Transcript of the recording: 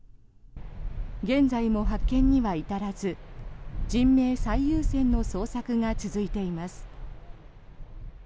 現在も発見には至らず人命最優先の捜索が続いています。